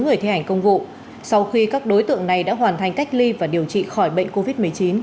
người thi hành công vụ sau khi các đối tượng này đã hoàn thành cách ly và điều trị khỏi bệnh covid một mươi chín